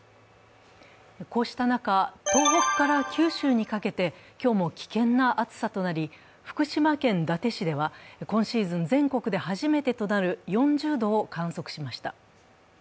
こうした中、東北から九州にかけて今日も危険な暑さとなり、福島県伊達市では今シーズン、全国初めてとなる４０度を観測しました。